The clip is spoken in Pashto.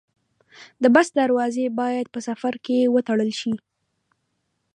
د بس دروازې باید په سفر کې وتړل شي.